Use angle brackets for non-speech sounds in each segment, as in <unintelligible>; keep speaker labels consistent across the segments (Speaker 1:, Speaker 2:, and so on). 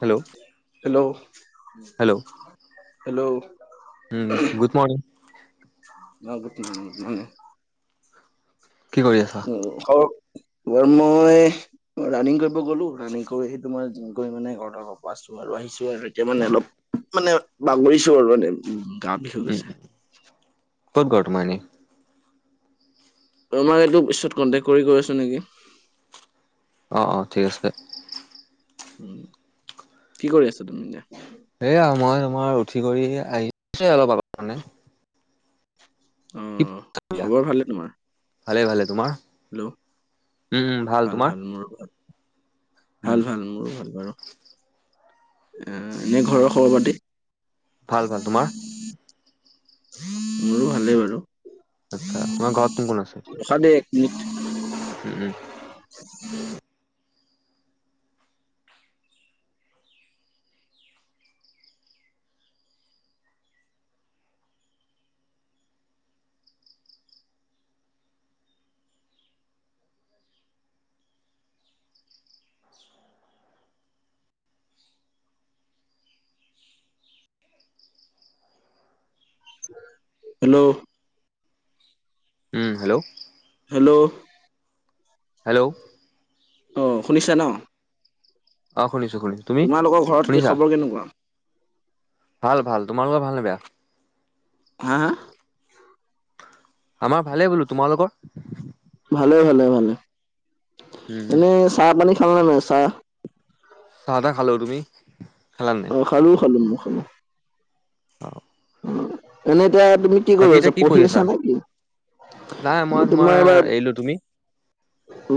Speaker 1: Hello
Speaker 2: hello,
Speaker 1: hello
Speaker 2: hello
Speaker 1: um, good morning.
Speaker 2: অ good morning, হুম।
Speaker 1: কি কৰি আছা
Speaker 2: উম খক তোমাৰ মই ৰানিং কৰিব গ'লো। ৰানিং কৰি সেইটো মই জিম কৰি মানে ঘৰত আহো। পাইছো আৰু আহিছো আৰু এতিয়া মানে অলপ মানে বাগৰিছো আৰু মানে উম গা বিষ হৈ
Speaker 1: উম
Speaker 2: গৈছে।
Speaker 1: ক'ত ঘৰ তোমাৰ এনে?
Speaker 2: তোমাক এইটো পিছত কণ্টেক কৰি কৈ নেকি?
Speaker 1: অ, অ ঠিক আছে তে।
Speaker 2: উম কি কৰি আছা তুমি এতিয়া?
Speaker 1: সেয়া মই তোমাৰ উঠি কৰি আহিছো অলপ আগত মানে
Speaker 2: অ
Speaker 1: কি
Speaker 2: খবৰ ভালে তোমাৰ
Speaker 1: ভালে, ভালে। তোমাৰ?
Speaker 2: হেল্ল'
Speaker 1: উম উম
Speaker 2: ভাল,
Speaker 1: তোমাৰ
Speaker 2: ভাল মোৰো ভাল।
Speaker 1: উম
Speaker 2: ভাল, ভাল মোৰো ভাল বাৰু। এনে ঘৰৰ খবৰ পাতি
Speaker 1: ভাল ভাল তোমাৰ
Speaker 2: মোৰো ভালেই বাৰু
Speaker 1: আচ্ছা তোমাৰ ঘৰত কোন কোন আছে
Speaker 2: ৰখা দেই এক মিনিট
Speaker 1: উম
Speaker 2: hello
Speaker 1: um hello
Speaker 2: hello
Speaker 1: hello
Speaker 2: অ শুনিছা ন
Speaker 1: অ শুনিছো শুনিছো তুমি
Speaker 2: তোমালোকৰ ঘৰত কি
Speaker 1: শুনিছা
Speaker 2: খবৰ কেনেকুৱা
Speaker 1: ভাল ভাল তোমালোকৰ ভাল নে বেয়া
Speaker 2: হা হা
Speaker 1: আমাৰ ভালেই বোলো তোমালোকৰ
Speaker 2: ভালে ভালে ভালে
Speaker 1: উম উম
Speaker 2: এনেই চাহ পানী খালা নে নাই চাহ
Speaker 1: চাহ তাহ খালো তুমি খালা নাই
Speaker 2: খালোঁ খালোঁ মই খালোঁ
Speaker 1: অ
Speaker 2: এনে এতিয়া তুমি কি কৰি আছা পঢ়ি আছা নে কি
Speaker 1: নাই মই
Speaker 2: মই তোমাৰ এবাৰ
Speaker 1: এৰিলো তুমি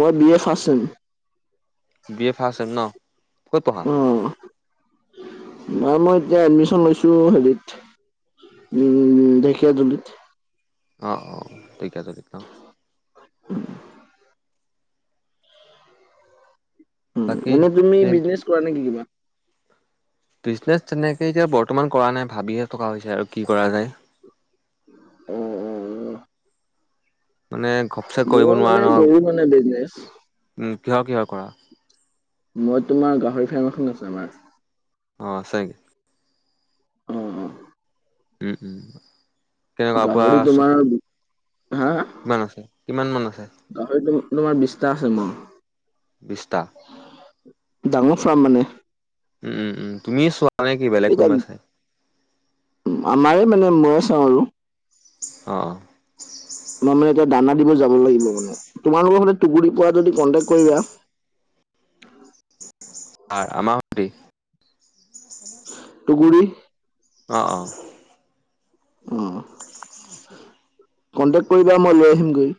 Speaker 2: মই B A first sem
Speaker 1: B A first sem ন ক'ত পঢ়া
Speaker 2: নাই মই এতিয়া এডমিশন লৈছো হেৰিত উম ঢেকীয়াজুলিত
Speaker 1: অ অ ঢেকীয়াজুলিত ন বাকী
Speaker 2: এনেই তুমি
Speaker 1: এই
Speaker 2: বিজনেছ কৰা নেকি কিবা
Speaker 1: বিজনেছ তেনেকৈ এতিয়া বৰ্তমান কৰা নাই ভাবিয়ে থকা হৈছে আৰু কি কৰা যায়
Speaker 2: উম উম উম
Speaker 1: মানে ঘপ
Speaker 2: মই মানে কৰো মানে বিজনেচ
Speaker 1: উম কিহৰ কিহৰ কৰা
Speaker 2: মই তোমাৰ গাহৰি ফাৰ্ম এখন আছে আমাৰ
Speaker 1: অ আছে
Speaker 2: অ অ
Speaker 1: উম কেনেকুৱা পুৰা
Speaker 2: গাহৰি
Speaker 1: চকু
Speaker 2: তোমাৰ হা
Speaker 1: কিমান আছে কিমান মান আছে
Speaker 2: গাহৰি তোমাৰ বিছটা আছে মোৰ
Speaker 1: বিছটা
Speaker 2: ডাঙৰ ফাৰ্ম মানে
Speaker 1: উম উম উম তুমিয়ে চোৱা নে কি বেলেগ
Speaker 2: এতিয়া
Speaker 1: কোনোবা চাই
Speaker 2: আমাৰে মানে মইয়ে চাওঁ আৰু
Speaker 1: অঁ
Speaker 2: তোমাৰ মানে এতিয়া দানা দিব যাব লাগিব মানে তোমালোকৰ লগৰ হ'লে টুঙগুৰি পোৱা যদি কণ্টেক কৰিবা।
Speaker 1: আমাৰ সতি
Speaker 2: টুঙগুৰি
Speaker 1: অ অ
Speaker 2: অ কণ্টেক কৰিবা মই লৈ আহিম গৈ।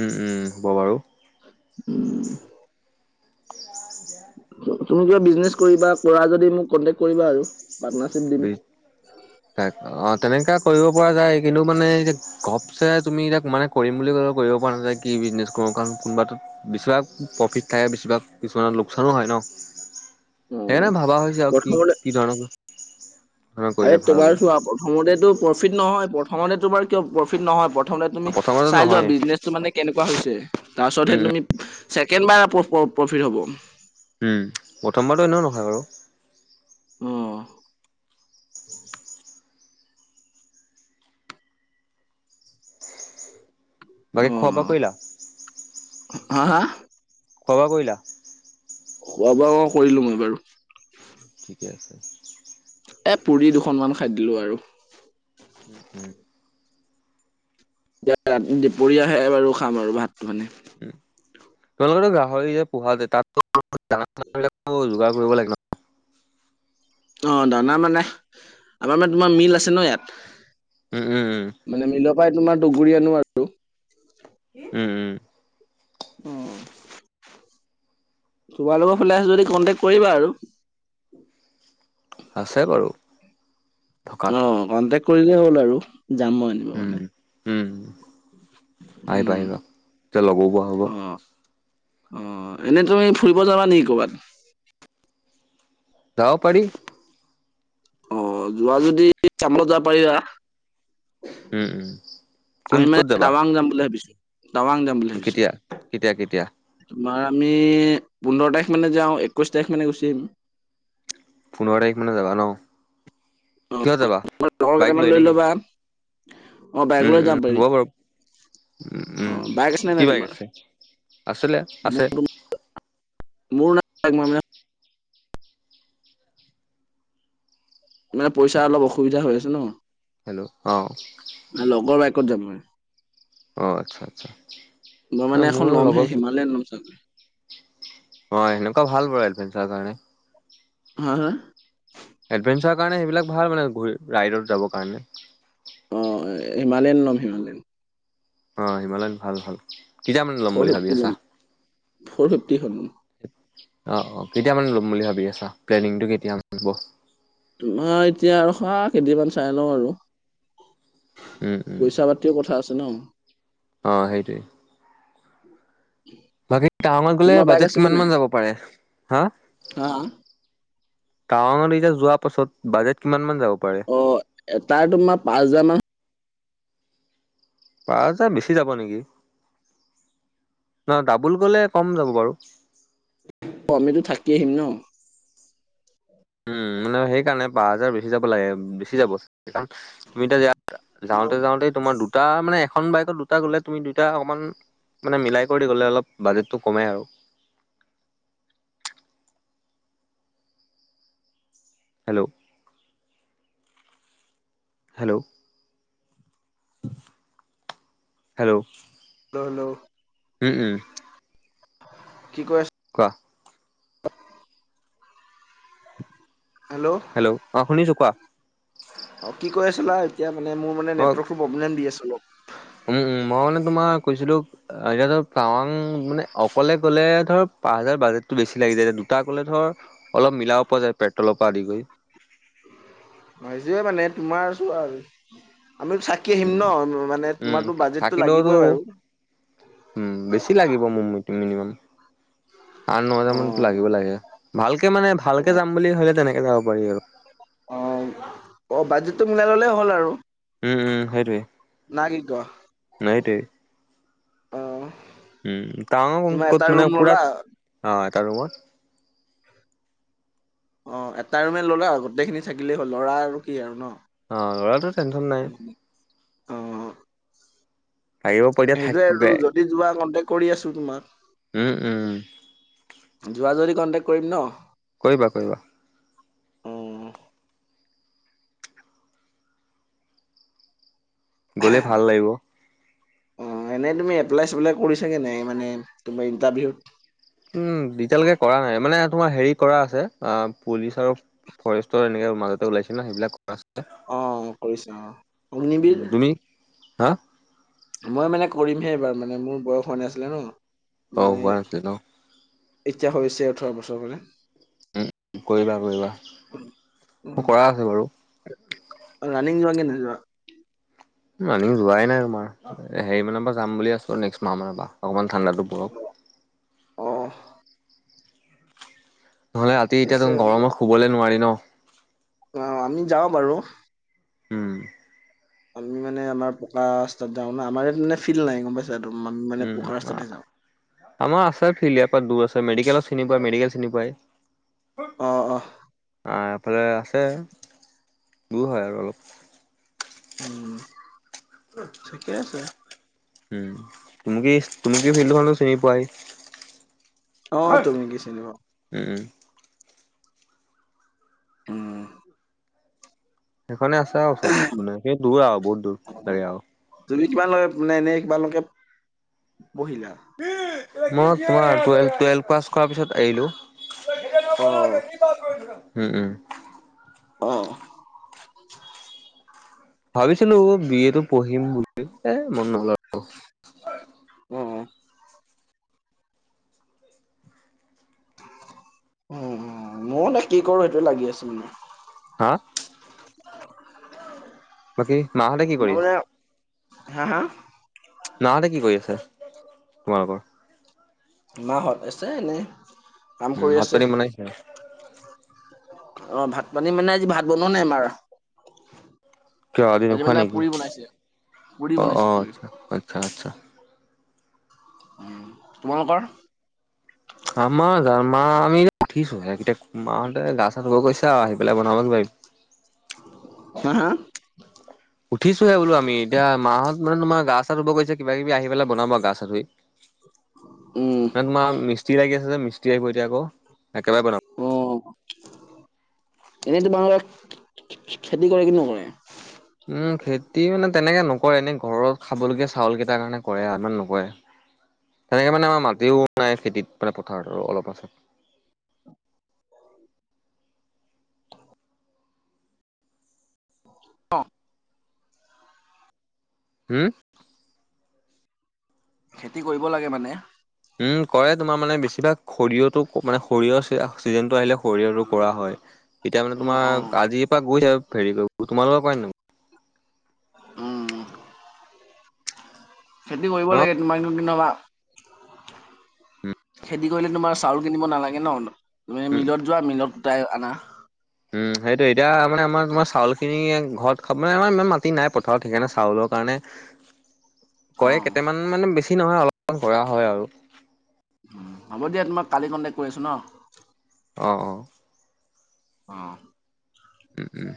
Speaker 1: উম উম হ'ব বাৰু।
Speaker 2: উম
Speaker 1: <inaudible>
Speaker 2: তুমি কিবা বিজনেছ কৰিবা কৰা যদি মোক কণ্টেক কৰিবা আৰু পাৰ্টনাৰশ্বিপ দিম
Speaker 1: কাক অ তেনেকা কৰিব পৰা যায় কিন্তু মানে ঘপচে তুমি এতিয়া মানে কৰিম বুলি ক'লে কৰিব পৰা নাযায় কি বিজনেছ কৰো কাৰণ কোনোবা বেছিভাগ প্ৰফিট থাকে বেছিভাগ কিছুমানৰ লোকচানো হয় ন
Speaker 2: অঁ
Speaker 1: সেইকাৰণে ভাবা হৈছে আৰু কি
Speaker 2: প্ৰথমতে
Speaker 1: কি ধৰণৰ ধৰণৰ
Speaker 2: আৰে
Speaker 1: কৰিলে ভাল হ'ব
Speaker 2: তোমাৰ চোৱা প্ৰথমতেতো প্ৰফিট নহয় প্ৰথমতে তোমাৰ কিয় প্ৰফিট নহয় প্ৰথতে তুমি
Speaker 1: প্ৰথমতে
Speaker 2: চাই লোৱা
Speaker 1: নহয়
Speaker 2: বিজনেচটো মানে কেনেকুৱা হৈছে তাৰ পিছতহে
Speaker 1: উম উম
Speaker 2: তুমি ছেকেণ্ড বাৰ প্ৰফিট হ'ব
Speaker 1: উম‌ প্ৰথমবাৰতো এনেও নহয় বাৰু
Speaker 2: অহ
Speaker 1: বাকি খোৱা
Speaker 2: অঁ
Speaker 1: বোৱা কৰিলা
Speaker 2: হা হা
Speaker 1: খোৱা বোৱা কৰিলা
Speaker 2: খোৱা বোৱা কৰিলো মই বাৰু
Speaker 1: ঠিকে আছে
Speaker 2: এই পুৰি দুখনমান খাই দিলোঁ আৰু
Speaker 1: উম উম
Speaker 2: এতিয়া দুপৰীয়া হে বাৰু খাম আৰু ভাতটো মানে
Speaker 1: উ তোমালোকৰ টো গাহৰি যে পোহা যে তাতো দানা চানা বিলাকো যোগাৰ কৰিব লাগে ন
Speaker 2: অ দানা মানে আমাৰ মানে তোমাৰ মিল আছে ন ইয়াত
Speaker 1: উম উম উম
Speaker 2: মানে মিলৰ পৰাই তোমাৰ তুঙগুৰি আনো আৰু
Speaker 1: উম উম
Speaker 2: অ তোমাৰ লগৰ ফালে আছে যদি কণ্টেক কৰিবা আৰু
Speaker 1: আছে বাৰু থকাত
Speaker 2: অ কণ্টেক কৰিলেই হ'ল আৰু যাম মই আনিম
Speaker 1: উম উম আহিবা
Speaker 2: উম
Speaker 1: আহিবা তেতিয়া লগো পোৱা হ'ব
Speaker 2: অ অ এনে তুমি ফুৰিব যাবা নেকি কৰবাত
Speaker 1: যাব পাৰি
Speaker 2: অ যোৱা যদি আমাৰ লগত যাব পাৰিবা
Speaker 1: উম উম কোন
Speaker 2: আমি মানে
Speaker 1: ক'ত যাবা
Speaker 2: তাৱাং যাম বুলি ভাবিছোঁ তাৱাং যাম বুলি ভাবিছো
Speaker 1: কেতিয়া কেতিয়া কেতিয়া
Speaker 2: তোমাৰ আমি পোন্ধৰ তাৰিখ মানে যাওঁ একৈশ তাৰিখ মানে গুচি আহিম
Speaker 1: পোন্ধৰ তাৰিখ মানে যাবা ন কিহত যাবা
Speaker 2: লগৰ
Speaker 1: বাইক
Speaker 2: কেইটামান
Speaker 1: লৈ নেকি
Speaker 2: ল'বা অ বাইক
Speaker 1: উম
Speaker 2: লৈ
Speaker 1: উম
Speaker 2: যাব পাৰি
Speaker 1: হ'ব বাৰু উম
Speaker 2: অ
Speaker 1: উম
Speaker 2: আছে নে
Speaker 1: কি
Speaker 2: নাই
Speaker 1: বাইক
Speaker 2: তোমাৰ
Speaker 1: আছে, আছিলে
Speaker 2: মোৰ
Speaker 1: আছে
Speaker 2: মোৰ নাই মই মানে মানে পইচা অলপ অসুবিধা হৈ আছে ন
Speaker 1: হেল্ল' অহ
Speaker 2: মানে লগৰ বাইকত যাম মই
Speaker 1: অ আচ্ছা আচ্ছা
Speaker 2: মই
Speaker 1: ন
Speaker 2: মানে এখন
Speaker 1: মোৰ
Speaker 2: লমহে
Speaker 1: লগৰ
Speaker 2: হিমালয়ান ল'ম চাগৈ
Speaker 1: অ সেনেকুৱা ভাল বাৰু এডভেঞ্চাৰ কাৰণে
Speaker 2: হা - হা?
Speaker 1: এডভেঞ্চাৰৰ কাৰণে সেইবিলাক ভাল মানে, ঘু- ৰাইডত যাবৰ কাৰণে।
Speaker 2: অ' এ হিমালয়ান ল'ম, হিমালয়ান।
Speaker 1: অ' হিমালয়ান ভাল - ভাল। কেতিয়া মানে ল'ম
Speaker 2: ফৰ
Speaker 1: বুলি ভাবি
Speaker 2: ফিফটি
Speaker 1: আছা
Speaker 2: লম, ফৰ ফিফটি খন লম
Speaker 1: অ অ কেতিয়া মানে ল'ম বুলি ভাবি আছা প্লেনিংটো কেতিয়া মানে হ'ব
Speaker 2: তোমাৰ এতিয়া ৰখা কেইদিনমান চাই লওঁ আৰু
Speaker 1: উম উম
Speaker 2: পইচা পা তিও কথা আছে ন
Speaker 1: অ' সেইটোৱে। বাকী টাৱাঙত গ'লে
Speaker 2: তোমাৰ বাইক
Speaker 1: বাজেট
Speaker 2: আছে কি নাই
Speaker 1: কিমানমান যাব পাৰে? হা?
Speaker 2: হা
Speaker 1: টাৱাঙত এতিয়া যোৱা পাছত, বাজেট কিমান মান যাব পাৰে
Speaker 2: অ' এটাৰ তোমাৰ পাঁচ হাজাৰ মান
Speaker 1: পাঁচহাজাৰ বেছি যাব নেকি? ন ডাবুল গ'লে কম যাব বাৰু।
Speaker 2: অ' আমিতো থাকি আহিম ন'।
Speaker 1: উম, মানে সেইকাৰণে পাঁচ হাজাৰ বেছি যাব লাগে। বেছি যাব, কাৰণ তুমি এতিয়া যাওঁতে - যাওঁতেই তোমাৰ দুটা মানে, এখন বাইকত দুটা গ'লে, তুমি দুটা অকমান মানে মিলাই কৰি গ'লে অলপ, বাজেটটো কমে আৰু। Hello? Hello? Hello?
Speaker 2: Hello? Hello?
Speaker 1: উম - উম।
Speaker 2: কি কৈ আছ
Speaker 1: কোৱা।
Speaker 2: হেল্ল'?
Speaker 1: হেল্ল'? অ' শুনিছোঁ কোৱা।
Speaker 2: অ' কি কৈ আছিলা? এতিয়া মানে মোৰ মানে
Speaker 1: মই
Speaker 2: নেটৱৰ্কটো প্ৰব্লেম দি আছিল অলপ।
Speaker 1: উম - উম, মই মানে তোমাৰ কৈছিলোঁ এতিয়াতো টাৱাং মানে, অকলে গ'লে ধৰ পাঁচ হাজাৰ বাজেটটো বেছি লাগি যায়। এতিয়া দুটা গ'লে ধৰ অলপ মিলাব পৰা যায়, পেট্ৰলৰ পৰা আদি কৰি।
Speaker 2: অ' সেইটোৱে মানে তোমাৰ চোৱা আৰু। আমিতো থা কি আহিম
Speaker 1: উম,
Speaker 2: ন', মানে
Speaker 1: উম,
Speaker 2: তোমাৰতো বাজেটটো
Speaker 1: থাকিলেওতো
Speaker 2: লাগিবই বাৰু।
Speaker 1: উম, বেছি লাগিব মোৰ মতে মিনিমাম। আঠ-ন
Speaker 2: অ
Speaker 1: হাজাৰ মানতো লাগিব লাগে। ভালকে মানে
Speaker 2: অ
Speaker 1: ভালকে যাম বুলি ভাবিলে তেনেকে যাব পাৰি আৰু।
Speaker 2: অ'। অ' বাজেটটো মিলাই ল'লেই হ'ল আৰু।
Speaker 1: উম, উম, সেইটোৱে
Speaker 2: না কি ক?
Speaker 1: সেইটোৱে।
Speaker 2: অ'।
Speaker 1: উম, টাৱাঙত
Speaker 2: তোমাৰ এটা
Speaker 1: ক'ত মানে
Speaker 2: ৰুম
Speaker 1: পুৰা-
Speaker 2: ললা
Speaker 1: অ' এটা ৰুমত
Speaker 2: অ' এটা ৰুমে ল'লা, গোটেইখিনি থাকিলেই হ'ল। ল'ৰা আৰু, কি আৰু ন'?
Speaker 1: অ' ল'ৰাতো টেনশ্যন নাই।
Speaker 2: অ
Speaker 1: আহিব পৰি থাক
Speaker 2: সেইটোৱে আৰু। যদি যোৱা, কন্টেক কৰি আছোঁ তোমাক।
Speaker 1: উম, উম,
Speaker 2: যোৱা যদি কণ্টেক্ট কৰিম ন'?
Speaker 1: কৰিবা - কৰিবা।
Speaker 2: অ
Speaker 1: গ'লে ভাল লাগিব।
Speaker 2: অ' এনে তুমি এপ্লাই-চেপ্লাই কৰিছাগে নাই, মানে তুমি ইণ্টাৰভিউত?
Speaker 1: উম, এতিয়ালৈকে কৰা নাই। মানে তোমাৰ হেৰি কৰা আছে, অ' পুলিচৰ ফৰেষ্টৰ এনেক মাজতে ওলাইছিল ন', সেইবিলাক
Speaker 2: অ কৰিছা অ অগ্নিবিৰ
Speaker 1: <unintelligible> তুমি? হা?
Speaker 2: মই মানে কৰিমহে এইবাৰ, মানে মোৰ বয়স হোৱা নাছিলে ন'।
Speaker 1: অ
Speaker 2: মানে
Speaker 1: হোৱা নাছিল ন
Speaker 2: এতিয়া হৈছে ওঠৰ বছৰ হলে।
Speaker 1: উম, কৰিবা - কৰিবা। মোৰ
Speaker 2: অ
Speaker 1: কৰা আছে বাৰু।
Speaker 2: ৰানিং যোৱা কি নোযোৱা?
Speaker 1: ৰানিং যোৱাই নাই তোমাৰ। হেৰি মানৰ পৰা যাম বুলি আছোঁ, নেক্সট মাহ মানৰ পৰা অকণমান ঠাণ্ডাটো পৰক।
Speaker 2: অ'।
Speaker 1: নহলে ৰাতি
Speaker 2: ঠিক
Speaker 1: এতিয়াতো
Speaker 2: আছে
Speaker 1: গৰমত শুবলে নোৱাৰি ন'।
Speaker 2: অ' আমি যাওঁ বাৰু
Speaker 1: উম।
Speaker 2: আমি মানে আমাৰ পকাৰাস্তাত যাও না আমাৰ ইয়াত মানে ফিল্ড নাই গম পাইছা মন <unintelligible>
Speaker 1: উম, অ'। আমাৰ আছে ফিল্ড ইয়াৰ দূৰ আছে মেডিকেলত চিনি পোৱা, মেডিকেল চিনি পায়।
Speaker 2: অ', অ'।
Speaker 1: আহ এফালে আছে, দূৰ হয় আৰু অলপ।
Speaker 2: উম। ঠিকে আছে
Speaker 1: উম, তুমি কি-তুমি কি ফিল্ডখনো চিনি পোৱাই।
Speaker 2: অ', তুমি কি চিনি পাওঁ।
Speaker 1: উম, উম।
Speaker 2: উম।
Speaker 1: সেইখনে আছে আৰু ওচৰত মানে সেই দূৰ আৰু বহুত দূৰ তাকে আৰু।
Speaker 2: তুমি কিমালৈ মানে এনে কিমান লকে পঢ়িলা?
Speaker 1: মই তোমাৰ টোৱেলভ পাছ কৰা পিছত এৰিলোঁ।
Speaker 2: অ
Speaker 1: <unintelligible> উম, উম।
Speaker 2: অ'।
Speaker 1: ভাবিছিলোঁ বি এ টো পঢ়িম বুলি এ মন নগ'ল।
Speaker 2: অ', অ'। উম, মই নে কি কৰোঁ, সেইটোয়ে লাগি আছোঁ মানে।
Speaker 1: হা?
Speaker 2: <unintelligible>
Speaker 1: বাকী, মাহঁতে কি
Speaker 2: মই
Speaker 1: কৰি
Speaker 2: মানে হা? হা?
Speaker 1: মাহঁতে কি কৰি আছে তোমালোকৰ?
Speaker 2: মাহঁত? আছে এনে। কাম
Speaker 1: উম,
Speaker 2: কৰি
Speaker 1: ভাত
Speaker 2: আছে
Speaker 1: পানী বনাইছে?
Speaker 2: অ', ভাত পানী মানে আজি ভাত বনোৱা নাই আমাৰ।
Speaker 1: কিয় আজি নোখোৱা
Speaker 2: মানে
Speaker 1: নেকি?
Speaker 2: পুৰি বনাইছে পুৰি
Speaker 1: অ',
Speaker 2: বনাইছে
Speaker 1: অ',
Speaker 2: পুৰি
Speaker 1: আচ্ছা-আচ্ছা।
Speaker 2: অ', তোমালোকৰ?
Speaker 1: আমাৰ জ মাহ আমি উঠিছোঁ হে, মাহঁতে গা চা ধুব গৈছে আৰু আহি পেলাই বনাব কিবা কিবি।
Speaker 2: হা? হা?
Speaker 1: উঠিচুহে বোলো আমি এতিয়া মাহত মানে তোম গা চা ধুব গৈছে কিব কিবি আহি পেলাই বনাবহি গা চা ধুই।
Speaker 2: উম
Speaker 1: ন তোমাৰ মিস্ত্ৰী লাগি আছে যে মিস্ত্ৰী আহিব এতিয়া আকৌ একেবাৰে বনাব।
Speaker 2: অ', এনেইতো তোমালোকৰ খে-খে-খেতি কৰে কি নকৰে?
Speaker 1: উম, খেতি মানে তেনেকে নকৰে এনে ঘৰত খাবলগীয়া চাউল কেইটাৰ কাৰণে কৰে আৰু ইমান নকৰে। তেনেকে মানে আমাৰ মাটিও নাই খেতিত মানে পথাৰত আৰু অলপ মান আছে।
Speaker 2: অ'।
Speaker 1: হুম?
Speaker 2: খেতি কৰিব লাগে মানে।
Speaker 1: উম, কৰে তোমাৰ মানে বেছিভাগ সৰিয়হটো মানে সৰিয়হৰ চিজন টো আহিলে সৰিয়টো কৰা হয়। এতিয়া মানে
Speaker 2: অ',
Speaker 1: তোমাৰ
Speaker 2: অ',
Speaker 1: আজিৰ পৰা গৈছে হেৰি তোমালোকৰ কৰে নাই?
Speaker 2: উম, খেতি কৰিব লাগে তোমাক কিন্তু <unintelligible> খেতি কৰিলে তোমাৰ চাউল কিনিব নালাগে ন। মে
Speaker 1: উম
Speaker 2: মিলত যোৱা মিলত যাই আনা।
Speaker 1: উম সেইটো এতিয়া মানে আমাৰ তাৰ চাউল খিনি ঘৰত খাব মানে আমাৰ ইমান মাত। তি নাই পথাৰ চাউল সেকাৰণে
Speaker 2: অ
Speaker 1: কয় কেটামান। মানে বেছি নহয় অলপমান কৰা হয় আৰু।
Speaker 2: উম, হ'ব দিয়া তোমাক কালি কণ্টেক্ট আছোঁ ন?
Speaker 1: অ', অ'।
Speaker 2: অ'।
Speaker 1: উম উম